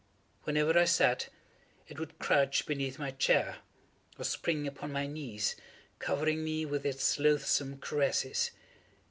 Whenever I sat, it would crouch beneath my chair, or spring upon my knees, covering me with its loathsome caresses.